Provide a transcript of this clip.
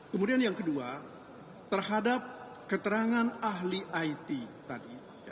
kemudian yang kedua terhadap keterangan ahli it tadi